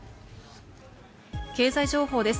経済情報です。